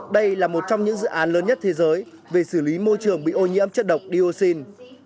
đây là một trong những dự án lớn nhất thế giới về xử lý môi trường bị ô nhiễm chất độc dioxin